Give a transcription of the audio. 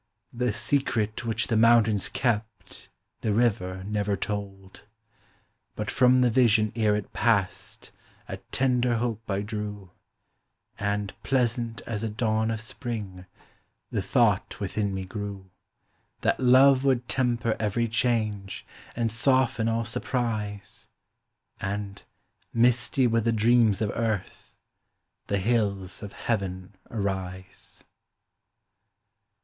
The secret which the mountains kept The river never told. But from the vision ere it passed A tender hope I drew, And, pleasant as a dawn of spring, The thought within me grew, That love would temper every change, And soften all surprise, And, misty with the dreams of earth, The hills of Heaven arise.